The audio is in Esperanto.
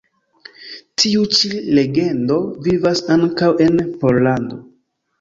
Tiu ĉi legendo vivas ankaŭ en Pollando.